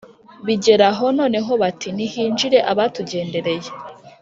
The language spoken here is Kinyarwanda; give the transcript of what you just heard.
bigera aho, noneho bati: ‘nihinjire abatugendereye.’